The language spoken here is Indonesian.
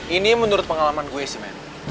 ini menurut pengalaman gue sih men